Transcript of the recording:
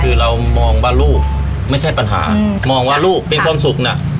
คือเรามองว่าลูกไม่ใช่ปัญหามองว่าลูกเป็นความสุขน่ะ